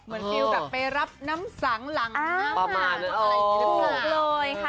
เหมือนคิดว่าไปรับน้ำสังหลังประมาณอะไรอย่างนี้ค่ะ